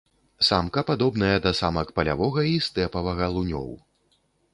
Самка падобная да самак палявога і стэпавага лунёў.